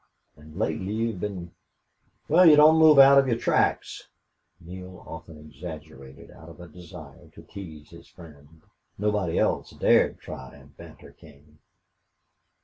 And lately you've been well, you don't move out of your tracks." Neale often exaggerated out of a desire to tease his friend. Nobody else dared try and banter King.